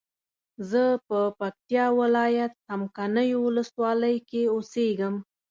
زه په پکتیا ولایت څمکنیو ولسوالۍ کی اوسیږم